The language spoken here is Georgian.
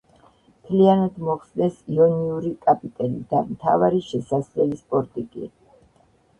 მთლიანად მოხსნეს იონიური კაპიტელი და მთავარი შესასვლელის პორტიკი.